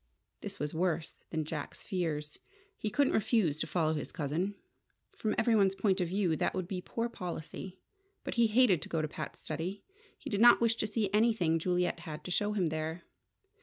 This was worse than Jack's fears. He couldn't refuse to follow his cousin. From everyone's point of view, that would be poor policy. But he hated to go to Pat's study. He did not wish to see anything Juliet had to show him there.